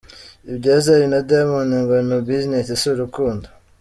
Ibya Zari na Diamond ngo ni business si urukundo.